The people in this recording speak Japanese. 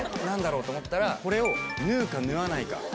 何だろうって思ったらこれを縫うか縫わないか？